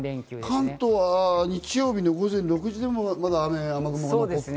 関東は日曜日の午前６時でも、まだ雨雲が残っている。